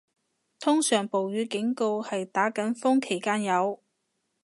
通常暴雨警告係打緊風期間有